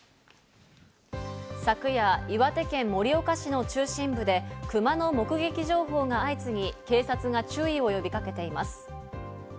昨夜、岩手県盛岡市の中心部でクマの目撃情報が相次ぎ、警察が注意を呼びかけています。